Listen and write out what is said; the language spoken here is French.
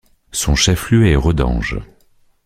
Son chef-lieu est Redange.